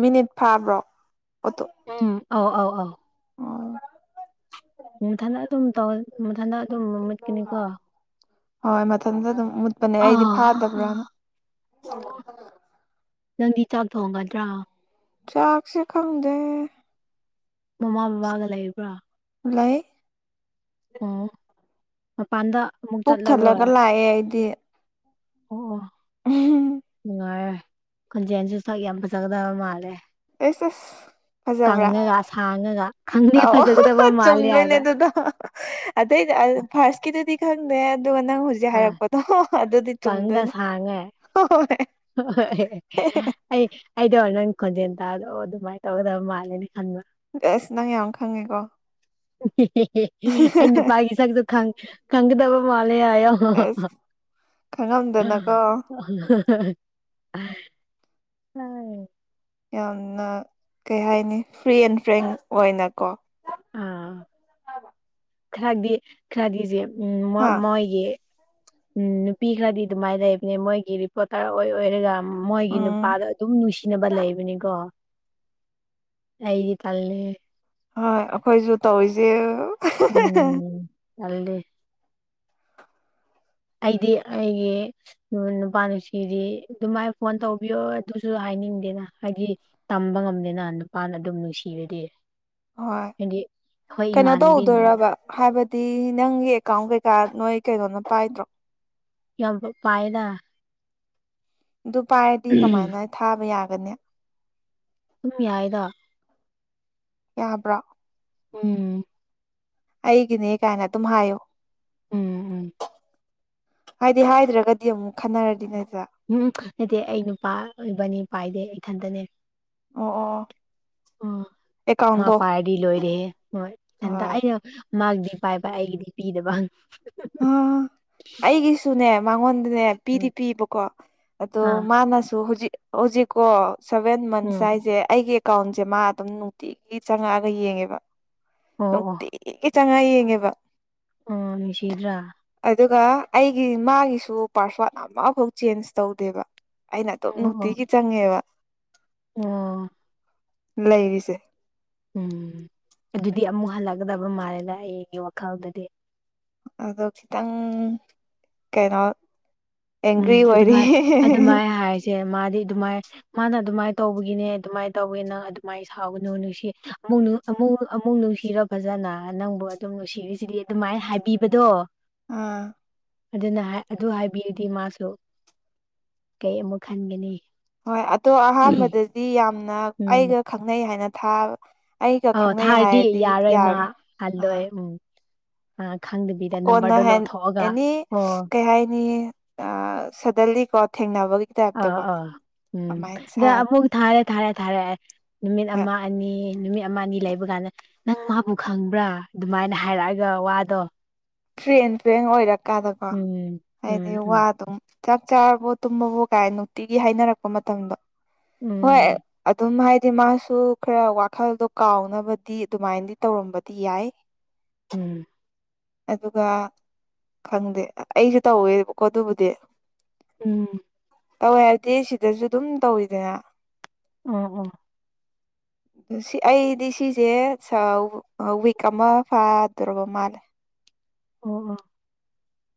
minute ꯐꯥꯕ꯭ꯔꯣ ꯑꯣꯇꯣ ꯎꯝ ꯑꯥꯎ ꯑꯥꯎ ꯑꯥꯎ ꯑꯣ ꯃꯊꯟꯗ ꯑꯗꯨꯝꯧ ꯃꯊꯟꯗ ꯑꯗꯨꯝ ꯃꯨꯠꯀꯅꯤꯀꯣ ꯍꯣꯏ ꯃꯊꯟꯗ ꯑꯥ ꯑꯥ ꯑꯣ ꯅꯪꯗꯤ ꯆꯥꯛ ꯊꯣꯡꯒꯗ꯭ꯔꯥ ꯆꯥꯥꯛꯁꯨ ꯈꯥꯎꯗ ꯃꯃꯥ ꯕꯕꯥꯒ ꯂꯩꯕ꯭ꯔꯥ ꯂꯩ ꯑꯣ ꯃꯄꯥꯟꯗ ꯑꯃꯨꯛ ꯄꯨꯣꯛ ꯊꯠꯂꯒ ꯆꯠꯂꯔꯣꯏ ꯂꯥꯛꯑꯦ ꯑꯩꯗꯤ ꯑꯣ ꯑꯣ ꯎꯝ ꯅꯨꯡꯉꯥꯏꯔꯦ ꯈꯨꯟꯖꯦꯟꯟꯁꯨ ꯁꯛ ꯌꯥꯝ ꯐꯖꯒꯗꯕ ꯃꯥꯜꯂꯦ ꯑꯦꯁ ꯑꯦꯁ ꯐꯖꯕ꯭ꯔꯥ ꯀꯪꯉꯒ ꯁꯥꯡꯉꯒ ꯈꯪꯗꯦ ꯑꯣ ꯐꯖꯒꯗꯕ ꯃꯥꯜꯂꯦ ꯆꯨꯝꯗꯣꯏꯅꯦ ꯍꯥꯏꯕ ꯑꯗꯨꯗ ꯑꯗꯩ ꯐꯥꯁ ꯀꯗꯨꯗꯤꯛ ꯍꯪꯅꯦꯦ ꯑꯗꯨ ꯉꯪ ꯍꯧꯖꯤꯛ ꯑꯥ ꯍꯥꯏꯔꯛꯄꯗꯣ ꯑꯗꯨꯗꯤ ꯀꯪꯒ ꯆꯨꯝꯗꯣꯏꯅꯦ ꯁꯥꯡꯉꯦ ꯍ ꯍꯣꯏ ꯑꯩ ꯑꯩꯗꯣ ꯑꯣꯔ ꯅꯪ ꯈꯣꯟꯖꯦꯜ ꯇꯥꯗꯣ ꯑꯗꯨꯃꯥꯏꯅ ꯇꯧꯒꯗꯕ ꯃꯥꯜꯂꯦ ꯈꯟꯕ ꯑꯁ ꯅꯪ ꯌꯥꯝ ꯈꯪꯉꯦꯀꯣ ꯑꯩ ꯅꯨꯄꯥꯒꯤ ꯁꯛꯇ ꯊꯪ ꯈꯪꯒꯗꯕ ꯃꯥꯂꯦ ꯍ ꯑꯁ ꯈꯪꯉꯝꯗꯅꯀꯣ ꯌꯥꯝꯅ ꯀꯩ ꯍꯥꯏꯅꯤ ꯐ꯭ꯔꯤ ꯑꯦꯟ ꯐ꯭ꯔꯦꯡ ꯑꯣꯏꯅꯀꯣ ꯑꯥ ꯃ ꯈꯔꯗꯤ ꯈꯔꯗꯤꯁꯦ ꯍꯥ ꯎꯝ ꯃꯣꯏꯒꯤ ꯎꯝ ꯅꯨꯄꯤ ꯈꯔꯗꯤ ꯑꯗꯨꯃꯥꯏꯅ ꯂꯩꯕꯅꯦ ꯃꯣꯏꯒꯤ ꯔꯤꯄꯣꯔꯇꯔ ꯑꯣꯏ ꯑꯣꯏꯔꯒ ꯎꯝ ꯃꯣꯏꯒꯤ ꯎꯝ ꯅꯨꯄꯥꯗꯣ ꯑꯗꯨꯝ ꯅꯨꯡꯁꯤꯅꯕ ꯂꯩꯕꯅꯤꯀꯣ ꯑꯩꯒꯤ ꯇꯜꯦ ꯍꯣꯏ ꯑꯩꯈꯣꯏꯁꯨ ꯇꯧꯔꯤꯁꯦ ꯎꯝ ꯆꯜꯗꯦ ꯑꯩꯗꯤ ꯑꯩꯒꯤ ꯅꯨꯄꯥ ꯅꯨꯡꯁꯤꯗꯤ ꯑꯗꯨꯃꯥꯏꯅ ꯐꯣꯟ ꯇꯧꯕꯤꯌꯣ ꯑꯗꯨꯁꯨ ꯍꯥꯏꯅꯤꯡꯗꯦꯅ ꯍꯥꯏꯗꯤ ꯇꯝꯕ ꯉꯝꯅꯤꯅ ꯅꯨꯄꯥꯅ ꯑꯗꯨꯝ ꯅꯨꯡꯁꯤꯔꯗꯤ ꯍꯣꯏ ꯍꯥꯏꯗꯤ ꯑꯩꯈꯣꯏ ꯀꯩꯅꯣ ꯏꯃꯥꯟꯅꯕꯤꯅꯕꯨ ꯇꯧꯗꯣꯏꯔꯕ ꯍꯥꯏꯕꯗꯤ ꯅꯪꯒꯤ ꯑꯦꯀꯥꯎꯟ ꯀꯩꯀꯥ ꯅꯣꯏ ꯀꯩꯅꯣꯅ ꯄꯥꯏꯗ꯭ꯔꯣ ꯌꯥꯝ ꯄꯥꯏꯗ ꯑꯗꯨ ꯄꯥꯏꯔꯗꯤ ꯀꯃꯥꯏꯅ ꯊꯥꯕ ꯌꯥꯒꯅꯤ ꯑꯗꯨꯝ ꯌꯥꯏꯗ ꯌꯥꯕ꯭ꯔꯥ ꯎꯝ ꯑꯩꯒꯤꯅꯦ ꯀꯥꯏꯅ ꯑꯗꯨꯝ ꯍꯥꯏꯌꯣ ꯎꯝ ꯎꯝ ꯍꯥꯏꯗꯤ ꯍꯥꯏꯗ꯭ꯔꯒꯗꯤ ꯑꯃꯨꯛ ꯈꯟꯅꯔꯗꯤꯅꯦꯁ ꯎꯝ ꯅꯠꯇꯦ ꯑꯩ ꯅꯨꯄꯥ ꯑꯣꯏꯕꯅꯤ ꯄꯥꯏꯗꯦ ꯏꯊꯟꯇꯅꯦ ꯑꯣ ꯑꯣ ꯑꯣ ꯃꯥ ꯑꯦꯀꯥꯎꯟꯗꯣ ꯄꯔꯗꯤ ꯂꯣꯏꯗꯍꯦ ꯃꯣꯏ ꯍꯟꯇ ꯍꯣꯏ ꯑꯩꯅ ꯃꯥꯒꯤꯗꯤ ꯄꯥꯏꯕ ꯑꯩꯒꯤꯗꯤ ꯄꯤꯗꯕꯪ ꯑꯩꯒꯤꯁꯨꯅꯦ ꯃꯉꯣꯟꯗꯅꯦ ꯄꯤꯗꯤ ꯎꯝ ꯄꯤꯕꯀꯣ ꯑꯗꯣ ꯑꯥ ꯃꯥꯅꯁꯨ ꯍꯧꯖꯤꯛ ꯍꯧꯖꯤꯛꯀꯣ ꯁꯚꯦꯟ ꯃꯟꯁ ꯎꯝ ꯍꯥꯏꯁꯦ ꯑꯩꯒꯤ ꯑꯦꯀꯥꯎꯟꯁꯦ ꯃꯥ ꯑꯗꯨꯝ ꯅꯨꯡꯇꯤꯒꯤ ꯆꯪꯉꯛꯑꯒ ꯌꯦꯡꯉꯦꯕ ꯑꯣ ꯑꯣ ꯅꯨꯡꯇꯤꯒꯤ ꯆꯪꯉꯥ ꯌꯦꯡꯉꯦꯕ ꯑꯣ ꯅꯤꯁꯤꯗ꯭ꯔꯥ ꯑꯗꯨꯒ ꯑꯩꯒꯤ ꯃꯥꯒꯤꯁꯨ ꯄꯥꯁꯋꯥꯗ ꯑꯃꯐꯥꯎ ꯆꯦꯟꯖ ꯇꯧꯗꯦꯕ ꯑꯩꯅ ꯑꯗꯨꯣꯝ ꯅꯨꯡꯇꯤꯒꯤ ꯆꯪꯉꯦꯕ ꯎ ꯂꯩꯔꯤꯁꯦ ꯎꯝ ꯑꯗꯨꯗꯤ ꯑꯃꯨꯛ ꯍꯜꯂꯛꯀꯗꯕ ꯃꯥꯜꯂꯦꯗ ꯑꯩꯒꯤ ꯋꯥꯈꯜꯗꯗꯤ ꯑ ꯈꯤꯇꯪ ꯀꯩꯅꯣ ꯎꯝ ꯑꯦꯡꯒ꯭ꯔꯤ ꯑꯣꯏꯔꯤ ꯑꯗꯨꯃꯥꯏ ꯑꯗꯨꯃꯥꯏ ꯍꯥꯏꯁꯦ ꯃꯥꯗꯤ ꯑꯗꯨꯃꯥꯏꯅ ꯃꯥꯅ ꯑꯗꯨꯃꯥꯏꯅ ꯇꯧꯕꯒꯤꯅꯦ ꯑꯗꯨꯃꯥꯏꯅ ꯇꯧꯋꯦ ꯅꯪ ꯑꯗꯨꯃꯥꯏꯅ ꯁꯥꯎꯒꯅꯨ ꯅꯨꯡꯁꯤ ꯑꯃꯨꯛ ꯑꯃꯨꯛ ꯑꯃꯨꯛ ꯅꯨꯡꯁꯤꯔꯣ ꯐꯖꯅ ꯅꯪꯕꯨ ꯑꯗꯨꯝ ꯅꯨꯡꯁꯤꯔꯤꯁꯤꯗꯤ ꯑꯗꯨꯃꯥꯏꯅ ꯍꯥꯏꯕꯤꯕꯗꯣ ꯑꯥ ꯑꯗꯨꯅ ꯑꯗꯨ ꯍꯥꯏꯕꯤꯔꯗꯤ ꯃꯥꯁꯨ ꯀꯩ ꯑꯃꯨꯛ ꯈꯟꯒꯅꯤ ꯍꯣꯏ ꯑꯗꯣ ꯑꯍꯥꯟꯕꯗꯗꯤ ꯌꯥꯝꯅ ꯎꯝ ꯑꯩꯒ ꯈꯪꯅꯩ ꯍꯥꯏꯅ ꯊꯥꯕ ꯑꯣ ꯊꯥꯔꯗꯤ ꯌꯥꯔꯣꯏ ꯃꯥ ꯑꯥ ꯑꯜꯂꯣꯏ ꯎꯝ ꯑ ꯈꯪꯗꯕꯤ ꯀꯣꯟꯅ ꯍꯥꯏ ꯑꯦꯅꯤ ꯀꯩ ꯍꯥꯏꯅꯤ ꯁꯗꯂꯤ ꯀꯣ ꯊꯦꯡꯅꯕꯒꯤ ꯑ ꯇꯥꯏꯞꯇꯀꯣ ꯑꯣ ꯎꯝ ꯑꯗꯨꯃꯥꯏꯅ ꯁꯥ ꯑ ꯊꯥꯔꯦ ꯊꯥꯔꯦ ꯊꯥꯔꯦ ꯅꯨꯃꯤꯠ ꯍꯣꯏ ꯑꯃ ꯑꯅꯤ ꯅꯨꯃꯤꯠ ꯑꯃ ꯑꯅꯤ ꯂꯩꯕ ꯀꯥꯟꯗ ꯅꯪ ꯃꯥꯕꯨ ꯈꯪꯕ꯭ꯔꯥ ꯑꯗꯨꯃꯥꯏꯅ ꯍꯥꯏꯔꯛꯑꯒ ꯋꯥꯗꯣ ꯇ꯭ꯔꯦꯟ ꯇ꯭ꯔꯦꯡ ꯑꯣꯏꯔꯛꯀꯥꯟꯗꯀꯣ ꯎꯝ ꯍꯥꯏꯗꯤ ꯎꯝ ꯋꯥ ꯎꯝ ꯑꯗꯨꯝ ꯆꯥꯛ ꯆꯥꯔꯕꯣ ꯇꯨꯝꯃꯕꯣ ꯀꯥꯏ ꯅꯨꯡꯇꯤꯒꯤ ꯍꯥꯏꯅꯔꯛꯄ ꯃꯇꯝꯗꯣ ꯍꯣꯏ ꯎꯝ ꯑꯗꯨꯝ ꯍꯥꯏꯗꯤ ꯃꯥꯁꯨ ꯈꯔ ꯋꯥꯈꯜꯗꯣ ꯀꯥꯎꯅꯕꯗꯤ ꯑꯗꯨꯃꯥꯏꯅꯗꯤ ꯇꯧꯔꯝꯕꯗꯤ ꯌꯥꯏ ꯎꯝ ꯑꯗꯨꯒ ꯈꯪꯗꯦ ꯑꯩꯁꯨ ꯇꯧꯋꯦꯕꯀꯣ ꯑꯗꯨꯕꯨꯗꯤ ꯎꯝ ꯇꯧꯋꯦ ꯍꯥꯏꯗꯤ ꯁꯤꯗꯁꯨ ꯑꯗꯨꯝ ꯇꯧꯋꯤꯗꯅ ꯎꯝ ꯎꯝ ꯁꯤ ꯑꯩꯗꯤ ꯁꯤꯁꯦ ꯁꯥꯎ ꯋꯤꯛ ꯑꯃ ꯐꯥꯗ‌ꯣꯔꯕ ꯃꯥꯜꯂꯦ ꯑꯣ ꯑꯣ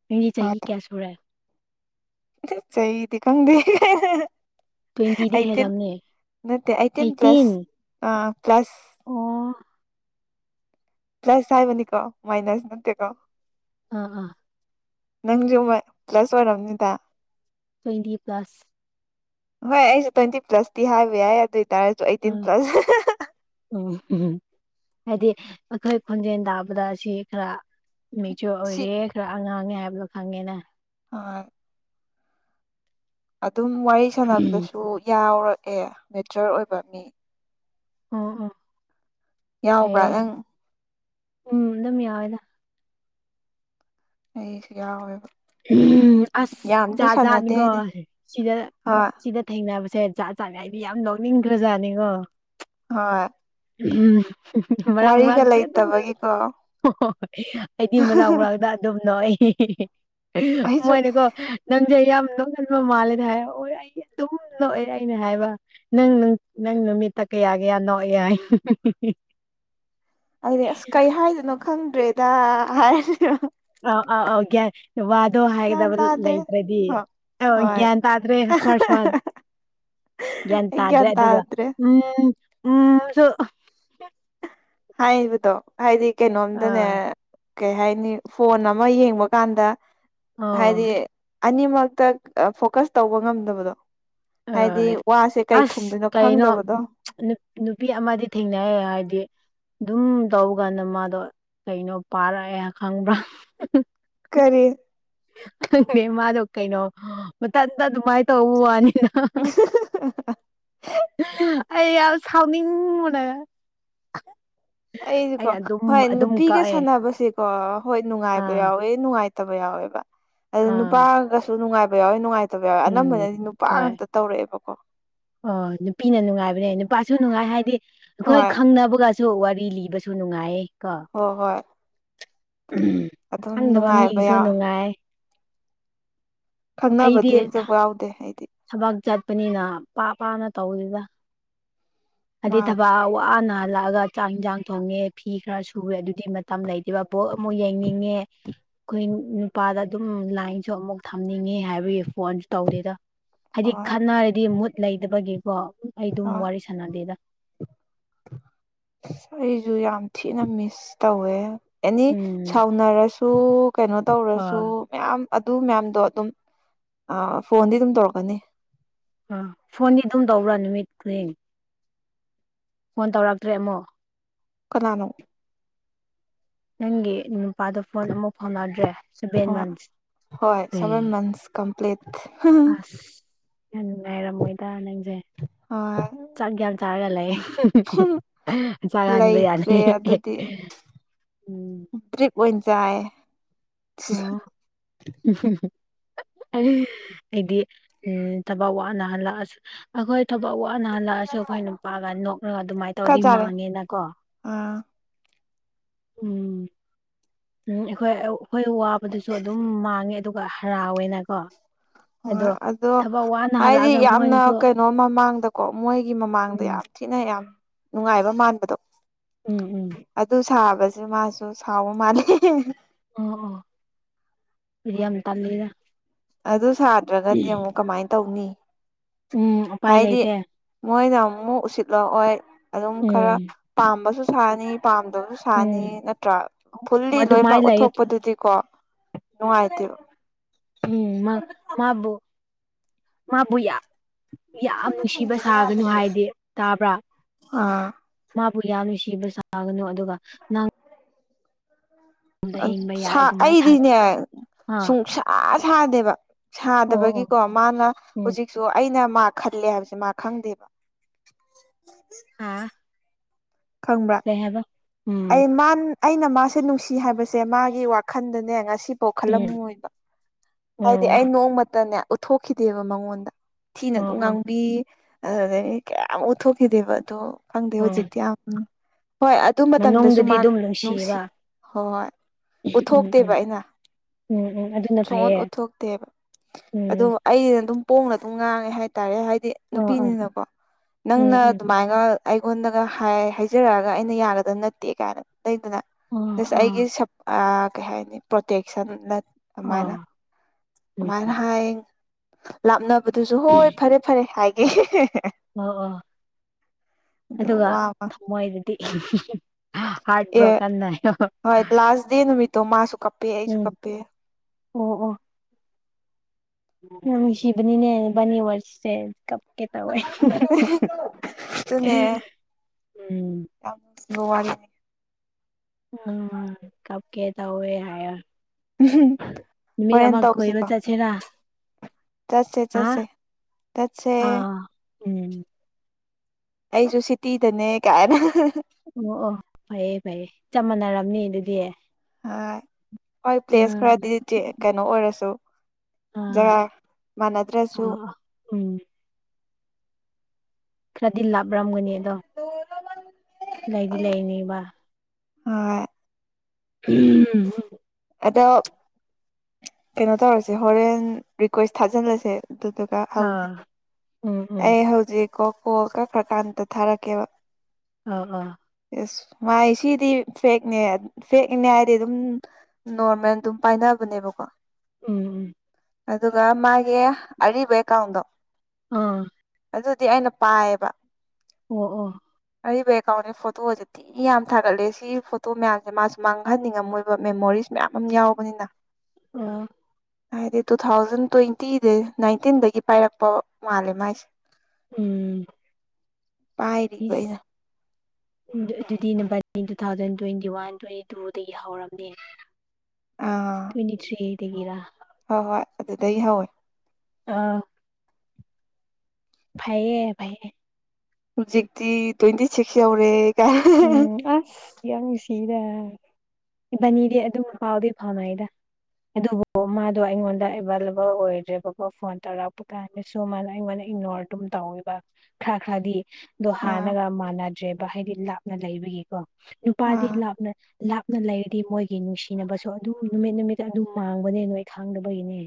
ꯃꯤꯗꯤ ꯆꯍꯤ ꯀꯌꯥꯁꯨꯨꯔꯦ ꯆꯠ ꯆꯍꯤꯗꯤ ꯈꯪꯗꯦ ꯇ꯭ꯋꯦꯟꯇꯤꯗꯤ ꯑꯩꯇꯤꯟ ꯍꯦꯜꯂꯝꯅꯤ ꯅꯠꯇ‌‌ꯦ ꯑꯩꯇꯤꯟ ꯑꯩꯠꯇꯤꯟ ꯄ꯭ꯂꯁ ꯑ ꯄ꯭ꯂꯁ ꯑꯣ ꯄ꯭ꯂꯁ ꯍꯥꯏꯕꯅꯤꯀꯣ ꯃꯥꯏꯅꯁ ꯅꯠꯇꯦꯀꯣ ꯑꯥ ꯑꯥ ꯅꯪꯁꯨ ꯃꯥ ꯄ꯭ꯂꯁ ꯑꯣꯏꯔꯝꯅꯤꯗ ꯇ꯭ꯋꯦꯟꯇꯤ ꯄ꯭ꯂꯥꯁ ꯍꯣꯏ ꯑꯩꯁꯨ ꯇ꯭ꯋꯦꯟꯇꯤ ꯄ꯭ꯂꯁꯇꯤ ꯍꯥꯏꯕ ꯌꯥꯏ ꯑꯗꯨ ꯑꯣꯏ ꯇꯥꯔꯁꯨ ꯑꯩꯠꯇꯤꯟ ꯑꯥ ꯄ꯭ꯂꯁ ꯎꯝ ꯎꯝ ꯍꯥꯏꯗꯤ ꯑꯩꯈꯣꯏ ꯈꯣꯟꯖꯦꯟ ꯇꯥꯕꯗ ꯑꯁꯤ ꯈꯔ ꯃꯦꯆ꯭ꯌ‌ꯣꯔ ꯁꯤ ꯑꯣꯏꯔꯦ ꯈꯔ ꯑꯉꯥꯡꯅ‌ꯦ ꯍꯥꯏꯕꯗꯣ ꯈꯪꯉꯦꯅ ꯑꯥ ꯑꯗꯨꯝ ꯋꯥꯔꯤ ꯎꯝ ꯁꯥꯟꯅꯕꯗꯁꯨ ꯌꯥꯎꯔꯛꯑꯦ ꯃꯦꯆ꯭ꯌ‌ꯣꯔ ꯑꯣꯏꯕ ꯃꯤ ꯑꯣ ꯑꯣ ꯌꯥꯎꯕ꯭ꯔꯥ ꯐꯩꯌꯦ ꯎꯪ ꯎꯝ ꯑꯗꯨꯝ ꯌꯥꯎꯋꯦꯗ ꯑꯩꯁꯨ ꯌꯥꯎꯋꯦꯕ ꯑꯁ ꯌꯥꯝꯗꯤ ꯁꯥꯟꯅꯗꯦ ꯖꯥꯠꯖꯥꯠꯅꯤꯀ‌ꯣ ꯑꯩꯗꯤ ꯁꯤꯗ ꯍꯣꯏ ꯁꯤꯗ ꯊꯦꯡꯅꯕꯁꯦ ꯖꯥꯠ ꯖꯥꯠ ꯍꯥꯏꯗꯤ ꯌꯥꯝ ꯂꯧꯅꯤꯡꯗ꯭ꯔꯖꯥꯠꯅꯤꯉꯣ ꯍ‌ꯣꯏ ꯃꯔꯛ ꯃꯔꯛꯇꯤ ꯑꯗꯨꯝ ꯂꯩꯇꯕꯒꯤꯀꯣ ꯍ‌ꯣꯏ ꯑꯩꯗꯤ ꯃꯔꯥꯛ ꯃꯔꯥꯛꯇ ꯑꯗꯨꯝ ꯅꯣꯛꯑ‌ꯦ ꯑꯩꯁꯨ ꯃꯣꯏꯅꯀꯣ ꯅꯪꯖ‌ꯦ ꯌꯥꯝ ꯅ‌ꯣꯛꯀꯟꯕ ꯃꯥꯜꯂꯦꯅ ꯍꯥꯏ ꯍ‌ꯣꯏ ꯑꯩ ꯑꯗꯨꯝ ꯅ‌ꯣꯛꯑꯦ ꯑꯩꯅ ꯍꯥꯏꯕ ꯅꯪ ꯅꯪ ꯅꯨꯃꯤꯠꯇ ꯀꯌꯥ ꯀꯌꯥ ꯅꯣꯛꯏ ꯍꯥꯏ ꯑꯩꯗꯤ ꯑꯁ ꯀꯩ ꯍꯥꯏꯗꯣꯏꯅꯣ ꯈꯪꯗ꯭ꯔꯦꯗ ꯍꯥꯏꯔꯁꯤꯔ ꯑ ꯑ ꯑꯣ ꯒ꯭ꯌꯥꯟ ꯋꯥꯗꯣ ꯒ꯭ꯌꯥꯟ ꯍꯥꯏꯒꯗꯕ ꯇꯥꯗ꯭ꯔꯦ ꯂꯩꯇ꯭ꯔꯗꯤ ꯍꯣꯏ ꯑ ꯍꯣꯏ ꯒ꯭ꯌꯥꯟ ꯇꯥꯗ꯭ꯔꯦ ꯐꯥꯔꯁ ꯋꯥꯟ ꯒ꯭ꯌꯥꯟ ꯑꯩ ꯇꯥꯗ꯭ꯔꯦ ꯑꯗꯨꯒ ꯇꯥꯗ꯭ꯔꯦ ꯎꯝ ꯎꯝꯁꯨ ꯍꯥꯏꯕꯗꯣ ꯍꯥꯏꯗꯤ ꯀꯩꯅꯣꯝꯗꯅꯦ ꯑꯥ ꯀꯩ ꯍꯥꯏꯅꯤ ꯐꯣꯟ ꯑꯃ ꯌꯦꯡꯕ ꯀꯥꯟꯗ ꯍꯥꯏꯗꯤ ꯑꯣ ꯑꯅꯤꯃꯛꯇ ꯐꯣꯀꯁ ꯇꯧꯕ ꯉꯝꯗꯕꯗꯣ ꯍꯥꯏꯗꯤ ꯑꯣꯏ ꯋꯥꯁꯦ ꯀꯩ ꯈꯨꯝꯗꯣꯏꯅꯣ ꯈꯪꯗꯕꯗꯣ ꯅꯨꯅꯨꯄꯤ ꯑꯃꯗꯤ ꯊꯦꯡꯅꯩꯌꯦ ꯍꯥꯏꯗꯤ ꯗꯨꯝ ꯇꯧꯕ ꯀꯥꯟꯗ ꯃꯥꯗꯣ ꯀꯩꯅꯣ ꯄꯥꯔꯛꯑꯦ ꯈꯪꯕ꯭ꯔꯥ ꯀꯔꯤ ꯈꯪꯗ‌ꯦ ꯃꯥꯗꯣ ꯀꯩꯅꯣ ꯃꯊꯟꯇ ꯑꯗꯨꯃꯥꯏꯅ ꯇꯧꯕ ꯋꯥꯅꯤ [unintelligible] ꯑꯩ ꯌꯥꯝ ꯁꯥꯎꯅꯤꯡꯕꯅ‌ꯦ [unintelligible] ꯑꯩꯖꯨꯀꯣ ꯍꯣꯏ ꯅꯨꯄꯤꯒ ꯀꯛꯑꯦ ꯁꯥꯟꯅꯕꯁꯤꯀꯣ ꯍꯣꯏ ꯅꯨꯡꯉꯥꯏꯕ ꯑꯥ ꯌꯥꯎꯋꯦ ꯅꯨꯡꯉꯥꯏꯇꯕ ꯌꯥꯎꯋꯦꯕ ꯑꯗꯨ ꯑꯥ ꯅꯨꯄꯥꯒꯁꯨ ꯅꯨꯡꯉꯥꯏꯕ ꯌꯥꯎꯋꯦ ꯅꯨꯡꯉꯥꯏ ꯇꯕ ꯌꯥꯎꯋꯦ ꯎꯝ ꯑꯅꯝꯕꯅꯗꯤ ꯅꯨꯄꯥ ꯍꯣꯏ ꯉꯥꯛꯇ ꯇꯧꯔꯛꯑꯦꯕꯀꯣ ꯑꯣ ꯅꯨꯄꯤꯅ ꯅꯨꯡꯉꯥꯏꯕꯅꯦ ꯅꯨꯄꯥꯁꯨ ꯅꯨꯡꯉꯥꯏ ꯍꯥꯏꯗꯤ ꯑꯩꯈꯣꯏ ꯍꯣꯏ ꯈꯪꯅꯕꯒ ꯁꯨ ꯋꯥꯔꯤ ꯂꯤꯕꯁꯨ ꯅꯨꯡꯉꯥꯏꯌꯦ ꯀꯣ ꯍꯣꯏ ꯍꯣꯏ ꯑꯗꯨꯝ ꯈꯪꯗꯕ ꯅꯨꯡꯉꯥꯏꯕ ꯃꯤꯒꯤꯁꯨ ꯌꯥꯎꯋꯦ ꯅꯨꯡꯉꯥꯏ ꯑꯩꯗꯤ ꯈꯪꯅꯕꯗꯤ ꯑꯝꯇꯕꯨ ꯌꯥꯎꯗꯦ ꯑꯩꯗꯤ ꯊꯕꯛ ꯆꯠꯄꯅꯤꯅ ꯄꯥꯛ ꯄꯥꯛꯅ ꯇꯧꯗ‌ꯦꯗ ꯃꯥ ꯍꯥꯏꯗꯤ ꯊꯕꯛ ꯋꯥꯅꯥ ꯍꯜꯂꯛꯑꯒ ꯆꯥꯛ ꯏꯟꯖꯥꯡ ꯊꯣꯡꯉꯦ ꯐꯤ ꯈꯔ ꯁꯨꯋꯦ ꯑꯗꯨꯗꯤ ꯃꯇꯝ ꯂꯩꯇ‌ꯦꯕ ꯕ‌ꯣꯜ ꯑꯃꯨꯛ ꯌꯦꯡꯅꯤꯡꯉꯦ ꯀꯨꯏꯟ ꯅꯨꯄꯥꯗ ꯑꯗꯨꯝ ꯂꯥꯏꯟꯁꯨ ꯑꯃꯨꯛ ꯊꯝꯅꯤꯡꯉꯦ ꯍꯥꯏꯕꯒꯤ ꯐꯣꯟꯁꯨ ꯇꯧꯗꯦꯗ ꯍꯥꯏꯗꯤ ꯍꯣꯏ ꯈꯠꯅꯔꯗꯤ ꯃꯨꯠ ꯂꯩꯗꯕꯒꯤꯀꯣ ꯑꯩ ꯑꯗꯨꯝ ꯍꯣꯏ ꯋꯥꯔꯤ ꯁꯥꯟꯅꯗꯦꯗ ꯑꯩꯁꯨ ꯌꯥꯝ ꯊꯤꯅ ꯃꯤꯁ ꯇꯧꯋꯦ ꯑꯦꯅꯤ ꯎꯝ ꯁꯥꯎꯅꯔꯁꯨ ꯀꯩꯅꯣ ꯇꯧꯔꯁꯨ ꯍꯣꯏ ꯃꯌꯥꯝ ꯑꯗꯨ ꯃꯌꯥꯝꯗꯣ ꯑꯗꯨꯝ ꯐꯣꯟꯗꯤ ꯑꯗꯨꯝ ꯇꯧꯔꯛꯀꯅꯤ ꯑꯥ ꯐꯣꯟꯗꯤ ꯑꯗꯨꯝ ꯇꯧꯕ꯭ꯔꯥ ꯅꯨꯃꯤꯠ ꯈꯨꯗꯤꯡ ꯐꯣꯟ ꯇꯧꯔꯛꯇ꯭ꯔꯦ ꯑꯃꯨꯛ ꯀꯅꯥꯅꯣ ꯅꯪꯒꯤ ꯅꯨꯄꯥꯗ ꯐꯣꯟ ꯑꯃꯨꯛ ꯐꯥꯎꯅꯗ꯭ꯔꯦ ꯁꯚꯦꯟ ꯃꯟꯁ ꯟ ꯀꯝꯄꯂꯤꯠ ꯑꯁ ꯌꯥꯝ ꯅꯨꯡꯉꯥꯏꯔꯝꯃꯣꯏꯗ ꯅꯪꯖꯦ ꯍꯣꯏ ꯆꯥꯛ ꯒ꯭ꯌꯥꯟ ꯆꯥꯔꯒ ꯂꯩ ꯆꯟꯕ ꯌꯥꯅꯤ ꯂꯩꯇ꯭ꯔꯦ ꯑꯗꯨꯗꯤ ꯎꯝ ꯗ꯭ꯔꯤꯞ ꯆꯥꯏ ꯎ ꯎꯞ ꯑꯩꯗꯤ ꯎꯝ ꯊꯕꯛ ꯋꯥꯠꯅꯍꯜꯂꯛꯑꯁ ꯑꯩꯈꯣꯏ ꯊꯕꯛ ꯅꯍꯜꯂꯛꯑꯁꯨ ꯑꯩꯈꯣꯏ ꯅꯨꯄꯥꯒ ꯅꯣꯛꯅꯒ ꯑꯗꯨꯃꯥꯏꯅ ꯈꯔ ꯇꯧꯔꯗꯤ ꯆꯥꯔꯦ ꯃꯥꯡꯉꯦꯅꯀꯣ ꯑꯥ ꯎꯝ ꯎꯝ ꯑꯩꯈꯣꯏ ꯑꯩꯈꯣꯏ ꯋꯥꯕꯗꯨꯁꯨ ꯑꯗꯨꯝ ꯃꯥꯡꯉꯦ ꯑꯗꯨꯒ ꯍꯔꯥꯎꯋꯦꯅꯀꯣ ꯍꯣꯏ ꯑꯗꯣ ꯊꯕꯛ ꯋꯥꯅ ꯍꯥꯏꯗꯤ ꯍꯜꯂꯛꯑꯒ ꯌꯥꯝꯅ ꯃꯣꯏꯅꯁꯨ ꯀꯩꯅꯣ ꯃꯃꯥꯡꯗꯀꯣ ꯃꯣꯏꯒꯤ ꯃꯃꯥꯡꯗ ꯎꯝ ꯌꯥꯝ ꯊꯤꯅ ꯌꯥꯝ ꯅꯨꯡꯉꯥꯏꯕ ꯃꯥꯟꯕꯗꯣ ꯎꯝ ꯎꯝ ꯑꯗꯨ ꯁꯥꯕꯁ ꯃꯥꯁꯨ ꯁꯥꯎꯕ ꯃꯥꯜꯂꯤ ꯍꯤ ꯑꯣ ꯑꯣ ꯑꯗꯨ ꯌꯥꯝ ꯇꯜꯜꯂꯤꯗ ꯑꯗꯨ ꯁꯥꯗ꯭ꯔꯒꯗꯤ ꯑꯃꯨꯛ ꯀꯃꯥꯏ ꯇꯧꯅꯤ ꯎꯝ ꯎꯄꯥꯏ ꯍꯥꯏꯗꯤ ꯂꯩꯇꯦ ꯃꯣꯏꯅ ꯑꯃꯨꯛ ꯎꯁꯤꯠꯂꯛꯑꯣꯏ ꯑꯗꯨꯝ ꯈꯔ ꯎꯝ ꯄꯥꯝꯕꯁꯨ ꯁꯥꯅꯤ ꯄꯥꯝꯗꯕꯁꯨ ꯊꯥꯅꯤ ꯅꯠꯇ꯭ꯔꯥ ꯐꯨꯜꯂꯤ ꯂꯣꯏꯅꯃꯛ ꯑꯗꯨꯃꯥꯏꯅ ꯂꯩꯌꯦ ꯎꯠꯊꯣꯛꯄꯗꯨꯗꯤꯀꯣ ꯅꯨꯡꯉꯥꯏꯇꯦꯕ ꯎꯝ ꯃꯥ ꯃꯥꯕꯨ ꯃꯥꯕꯨ ꯌꯥ ꯌꯥꯝ ꯅꯨꯡꯁꯤꯕ ꯁꯥꯒꯅꯨ ꯍꯥꯏꯗꯤ ꯇꯥꯕ꯭ꯔꯥ ꯑꯥ ꯃꯥꯕꯨ ꯌꯥꯝꯅ ꯁꯤꯕ ꯁꯥꯒꯅꯨ ꯑꯗꯨꯒ ꯅꯪ ꯍꯤꯡꯕ ꯌꯥꯏ ꯑꯗꯨꯃꯥꯏꯅ ꯊꯥ ꯑꯩꯗꯤꯅꯦ ꯑꯥ ꯁꯨꯡꯁꯥ ꯁꯥꯗꯦꯕ ꯑꯣ ꯑꯣ ꯁꯥꯗꯕꯒꯤꯀꯣ ꯃꯥꯅ ꯎꯝ ꯍꯧꯖꯤꯛꯁꯨ ꯑꯩꯅ ꯃꯥ ꯈꯜꯂꯦ ꯍꯥꯏꯕꯁꯦ ꯃꯥ ꯈꯪꯗꯦꯕ ꯍꯥꯥ ꯈꯪꯕ꯭ꯔꯥ ꯀꯩ ꯍꯥꯏꯕ ꯎꯝ ꯑꯩ ꯃꯥ ꯑꯩꯅ ꯃꯥꯁꯦ ꯅꯨꯡꯁꯤ ꯍꯥꯏꯕꯁꯦ ꯃꯥꯒꯤ ꯋꯥꯈꯟꯗꯅꯦ ꯉꯁꯤꯐꯥꯎ ꯎꯝ ꯈꯜꯂꯝꯃꯣꯏꯕ ꯍꯥꯏꯗꯤ ꯑꯣ ꯑꯩ ꯅꯣꯡꯃꯇꯅꯦ ꯎꯠꯊꯣꯛꯈꯤꯗꯦꯕ ꯃꯉꯣꯟꯗ ꯊꯤꯅ ꯑꯣ ꯑꯗꯨꯝ ꯑꯣ ꯉꯥꯡꯕꯤ ꯑꯗꯨꯗꯩꯅꯦ ꯀꯌꯥꯃꯨꯛꯠꯊꯣꯛꯈꯤꯗꯦꯕ ꯑꯗꯣ ꯈꯪꯗꯦ ꯑꯣ ꯍꯧꯖꯤꯛꯇꯤ ꯌꯥꯝ ꯍꯣꯏ ꯑꯗꯨ ꯃꯇꯝꯗꯁꯨ ꯃꯅꯨꯡꯗꯗꯤ ꯃꯥ ꯑꯗꯨꯝ ꯅꯨꯡꯁꯤ ꯅꯨꯡꯁꯤꯌꯦꯕ ꯍꯣꯏ ꯎꯝ ꯎꯠꯊꯣꯛꯇꯦꯕ ꯎꯝ ꯑꯩꯅ ꯎꯝ ꯎꯝ ꯑꯗꯨꯅ ꯁꯣꯛ ꯐꯩꯌꯦ ꯎꯠꯊꯣꯛꯇꯦꯕ ꯎꯝ ꯑꯣ ꯑꯩꯅ ꯑꯗꯨꯝ ꯄꯣꯡꯅ ꯑꯗꯨꯝ ꯉꯥꯡꯉꯦ ꯍꯥꯏꯇꯥꯔꯦ ꯍꯥꯏꯗꯤ ꯑꯣ ꯑꯣ ꯅꯨꯄꯤꯅꯤꯅꯀꯣ ꯎꯝ ꯅꯪꯅ ꯎꯝ ꯑꯗꯨꯃꯥꯏꯒ ꯑꯩꯉꯣꯟꯗ ꯍꯥꯏꯖꯔꯛꯑꯒ ꯑꯩꯅ ꯌꯥꯒꯗꯕ ꯅꯠꯇꯦ ꯀꯥꯏꯅ ꯑꯣ ꯂꯩꯗꯅꯁ ꯑꯣ ꯑꯩꯒꯤ ꯁꯞ ꯑ ꯀꯩ ꯍꯥꯏꯅꯤ ꯄ꯭ꯔꯣꯇꯦꯛꯁꯟ ꯅꯠ ꯑꯗꯨꯃꯥꯏꯅ ꯑꯣ ꯎꯝ ꯑꯗꯨꯃꯥꯏꯅ ꯍꯥꯏꯌꯦ ꯂꯥꯞꯅ ꯑꯗꯨꯗꯨꯁꯨ ꯍꯣꯏ ꯐꯔꯦ ꯐꯔꯦ ꯍꯥꯏꯒꯦ ꯑꯣ ꯑꯣ ꯑꯗꯣ ꯑꯗꯨꯒ ꯋꯥ ꯑꯃ ꯊꯝꯃꯣꯏꯗꯗꯤ ꯍꯔꯠ ꯑꯦ ꯭ꯔꯣꯀꯅ ꯍꯣꯏ ꯂꯥꯁ ꯗꯦ ꯅꯨꯃꯤꯠꯇꯣ ꯃꯥꯁꯨ ꯀꯞꯄꯦ ꯑꯩꯁꯨ ꯀꯞꯄꯦ ꯑꯣ ꯑꯣ ꯎꯁꯤꯕꯅꯤꯅꯦꯕꯅꯤ ꯋꯥꯔꯁꯦ ꯀ ꯀꯦꯇꯥ ꯋꯥꯏ ꯎꯝ ꯋꯥꯔꯤ ꯎꯝ ꯀꯞ ꯀꯦ ꯇ ꯍꯦ ꯍꯥꯏ ꯅꯨꯃꯤꯠ ꯍꯣꯔꯦꯟ ꯑꯃ ꯀꯣꯏꯕ ꯇꯧꯁꯤꯀꯣ ꯆꯠꯁꯦꯔꯥ ꯆꯠꯁꯦ ꯆꯠꯁꯦ ꯆꯠꯁꯦ ꯑꯥ ꯎꯝ ꯑꯩꯁꯨ ꯁꯤꯇꯤꯗꯅꯦ ꯀꯥꯏꯅ ꯑꯣ ꯑꯣ ꯐꯩꯌꯦ ꯐꯩꯌꯦ ꯆꯞ ꯃꯥꯟꯅꯔꯝꯅꯤ ꯑꯗꯨꯗꯤ ꯍ ꯍꯣꯏ ꯄ꯭ꯂꯦꯁ ꯎꯝ ꯈꯔꯗꯤ ꯀꯩꯅꯣ ꯑꯣꯏꯔꯁꯨ ꯑꯥ ꯖꯥꯏ ꯃꯥꯟꯅꯗ꯭ꯔꯁꯨ ꯑꯣ ꯑꯣ ꯎꯝ ꯈꯔꯗꯤ ꯂꯥꯞꯔꯝꯒꯅꯤ ꯑꯗꯣ ꯂꯩꯗꯤ ꯂꯩꯅꯦꯕ ꯑ ꯎꯝ ꯑꯗꯣ ꯀꯩꯅꯣ ꯇꯧꯔꯁꯦ ꯍꯣꯔꯦꯟ ꯔꯤꯀ꯭ꯋꯦꯁ ꯊꯥꯖꯤꯜꯂꯖꯦ ꯑꯗꯨꯗꯨꯒ ꯍꯧꯖꯦ ꯑꯥ ꯎꯝ ꯎꯝ ꯑꯩ ꯍꯧꯖꯤꯛꯀꯣ ꯀꯣꯜ ꯀꯛꯈ꯭ꯔꯀꯥꯟꯗ ꯊꯥꯔꯛꯀꯦꯕ ꯑ ꯑꯥ ꯑꯦꯁ ꯃꯥꯥꯏ ꯁꯤꯗꯤ ꯐꯦꯛꯅꯦ ꯐꯦꯛꯅꯦꯅꯤꯅ ꯍꯥꯏꯗꯤ ꯑꯗꯨꯝ ꯅꯣꯔꯃꯦꯜ ꯑꯗꯨꯝ ꯄꯥꯏꯅꯕꯅꯦꯕꯀꯣ ꯎꯝ ꯎꯝ ꯑꯗꯨꯒ ꯃꯥꯒꯤ ꯑꯔꯤꯕ ꯑꯦꯀꯥꯎꯟꯗꯣ ꯑꯥ ꯑꯗꯨꯗꯤ ꯑꯩꯅ ꯄꯥꯏꯌꯦꯕ ꯑꯣ ꯑꯣ ꯑꯔꯤꯕꯋꯥꯅꯤ ꯐꯇ ꯑꯣꯗꯦ ꯁꯤ ꯌꯥꯝ ꯊꯥꯒꯠꯂꯦ ꯁꯤ ꯐꯣꯇꯣ ꯃꯌꯥꯝꯁꯦ ꯃꯥꯁꯨ ꯃꯥꯡꯍꯟꯅꯤꯡꯉꯝꯃꯣꯏꯕ ꯃꯦꯃꯣꯔꯤꯁ ꯃꯌꯥꯝ ꯑꯃ ꯌꯥꯎꯕꯅꯤꯅ ꯑ ꯍꯥꯏꯗꯤ ꯇꯨ ꯊꯥꯎꯖꯟ ꯇ꯭ꯋꯦꯟꯇꯤꯗ ꯅꯥꯏꯟꯇꯤꯟꯗꯒꯤ ꯄꯥꯏꯔꯛꯄ ꯃꯥꯜꯂꯦ ꯃꯥꯏꯁꯦ ꯎꯝ ꯄꯥꯏꯔꯤꯕ ꯏꯁ ꯑꯩꯅ ꯑꯗꯨꯗꯤ ꯅ two thousand twenty one twenty ꯇꯨꯗꯒꯤ ꯍꯧꯔꯕꯝꯅꯦ ꯑꯥ ꯇ꯭ꯋꯤꯟꯇꯤ ꯊ꯭ꯔꯤ ꯗꯒꯤꯔꯥ ꯍꯣꯏ ꯍꯣꯏ ꯑꯗꯨꯗꯒꯤ ꯍꯧꯋꯦ ꯑꯥ ꯐꯥꯏꯌꯦ ꯐꯩ ꯐꯩ ꯍꯧꯖꯤꯛꯇꯤ ꯇ꯭ꯋꯦꯟꯇꯤ ꯁꯤꯛꯁ ꯌꯧꯔꯦ ꯀ ꯎꯝ ꯑꯁ ꯌꯥꯉ ꯁꯤꯗ ꯏꯕꯥꯅꯤꯗꯤ ꯑꯗꯨꯝ ꯄꯥꯎꯗꯤ ꯐꯥꯉꯩꯗ ꯑꯗꯨꯕꯨ ꯃꯥꯗꯣ ꯑꯩꯉꯣꯟꯗ ꯑꯦꯕꯥꯏꯂꯦꯕꯜ ꯑꯣꯏꯗ꯭ꯔꯦꯕꯀꯣ ꯐꯣꯟ ꯇꯧꯔꯛꯄ ꯀꯥꯟꯗꯁꯨ ꯃꯥꯗꯣ ꯑꯩꯉꯣꯟꯗ ꯏꯅꯣꯔ ꯑꯗꯨꯝ ꯇꯧꯋꯦꯕ ꯈꯔ ꯈꯔꯗꯤ ꯑꯗꯣ ꯑꯥ ꯍꯥꯟꯅꯒ ꯃꯥꯟꯅꯗ꯭ꯔꯦꯕ ꯍꯥꯏꯗꯤ ꯂꯥꯞꯅ ꯂꯩꯕꯒꯤꯀꯣ ꯅꯨꯄꯥꯗꯤ ꯑꯥ ꯂꯥꯞꯅꯥꯞ ꯅ ꯂꯩꯔꯗꯤ ꯃꯣꯏꯒꯤ ꯅꯨꯡꯁꯤꯅꯕꯁꯨ ꯑꯗꯨꯝ ꯅꯨꯃꯤꯠ ꯅꯨꯃꯤꯠ ꯑꯗꯨꯝ ꯃꯥꯡꯕꯅꯦ ꯅꯣꯏ ꯈꯥꯡꯗꯕꯒꯤꯅꯦ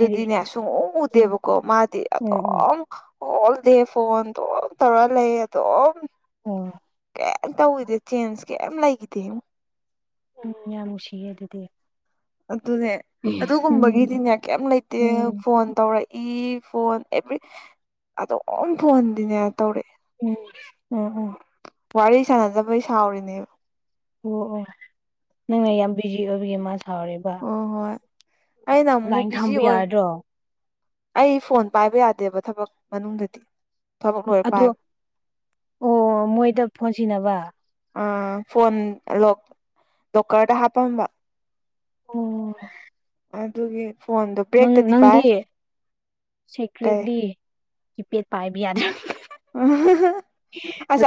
ꯍꯥꯏꯗꯤ ꯁꯨꯡꯎ ꯎꯝ ꯎꯗꯦꯕꯀꯣ ꯃꯥꯗꯤ ꯑꯣ ꯑꯣ ꯑꯗꯨꯝ ꯑꯣꯜ ꯗꯦ ꯐꯣꯟ ꯑꯗꯨꯝ ꯇꯧꯔ ꯂꯩ ꯑꯗꯨꯝ ꯑꯣ ꯀꯩꯝ ꯇꯧꯋꯗꯦ ꯆꯦꯟꯖ ꯀꯩꯝ ꯂꯩꯈꯤꯗꯦ ꯎꯝ ꯌꯥꯝ ꯅꯨꯡꯁꯤꯌꯦꯦ ꯑꯗꯨꯗꯤ ꯑꯗꯨ ꯑꯗꯨꯅꯦ ꯑꯗꯨ ꯎꯝ ꯨꯝꯕꯒꯤ ꯗꯤꯅꯤꯌꯥ ꯀꯌꯥꯝ ꯂꯩꯇꯦ ꯎꯝ ꯐꯣꯟ ꯇꯧꯔꯛꯏ ꯐꯣꯟ ꯑꯦꯕ꯭ꯔꯤ ꯑꯗꯨꯝ ꯐꯣꯟꯍꯗꯤꯅꯦ ꯇꯧꯔꯛꯑꯦ ꯎꯝ ꯎꯝ ꯎꯝ ꯋꯥꯔꯤ ꯁꯥꯟꯅꯖꯕꯩ ꯁꯥꯎꯔꯤꯅꯦꯕ ꯑꯣ ꯑꯣ ꯅꯪꯅ ꯌꯥꯝ ꯕꯤꯖꯤ ꯑꯣꯏꯕꯒꯤ ꯃꯥ ꯁꯥꯎꯔꯤꯕ ꯑꯣ ꯍꯣꯏ ꯑꯩꯅ ꯑꯃꯨꯛ ꯂꯥꯏꯟ ꯕꯤꯖꯤ ꯊꯝꯕ ꯑꯣꯏ ꯌꯥꯔꯗ꯭ꯔꯣ ꯑꯩ ꯐꯣꯟ ꯄꯥꯏꯕ ꯌꯥꯗꯦꯕ ꯊꯕꯛ ꯃꯅꯨꯡꯗꯗꯤ ꯊꯕꯛ ꯂꯣꯏꯔ ꯑꯗꯣ ꯄꯥꯏꯕ ꯑꯣ ꯃꯣꯏꯗ ꯐꯣꯟꯁꯤꯅꯕ ꯑ ꯐꯣꯟ ꯂꯣꯀꯔꯗ ꯍꯥꯞꯄꯝꯕ ꯑꯣ ꯑꯗꯨꯒꯤ ꯐꯣꯟꯗ ꯅꯪꯗꯤ ꯀꯩ ꯁꯦꯀ꯭ꯔꯦꯠꯂꯤ ꯀꯤꯄꯦꯠ ꯄꯥꯏꯕ ꯌꯥꯅꯤꯦ ꯑꯣ ꯎ